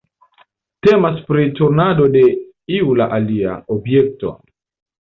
Temas pri turnado de "iu la alia" objekto.